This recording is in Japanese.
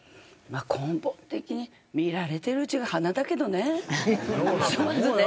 根本的に見られているうちが華だけどね。